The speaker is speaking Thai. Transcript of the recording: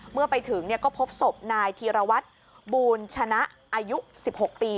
เมื่อไปถึงก็พบศพนายธีรวัตรบูลชนะอายุ๑๖ปี